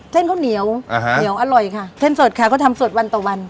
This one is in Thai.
ข้าวเหนียวเหนียวอร่อยค่ะเส้นสดค่ะเขาทำสดวันต่อวัน